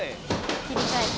切り替えて。